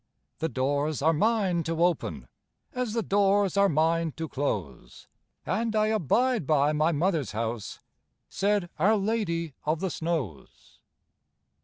The doors are mine to open, As the doors are mine to close, And I abide by my mother's house,' Said our Lady of the Snows.